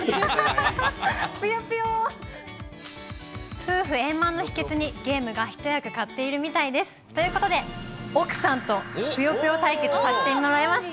夫婦円満の秘けつに、ゲームが一役買っているみたいです。ということで、奥さんとぷよぷよ対決させてもらいました。